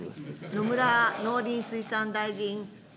野村農林水産大臣。